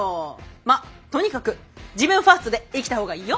まっとにかく自分ファーストで生きたほうがいいよ。